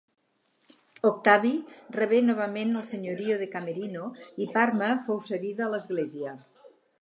Octavi rebé novament el senyoriu de Camerino, i Parma fou cedida a l'Església.